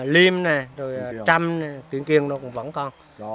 liêm này trăm tuyển kiên nó vẫn còn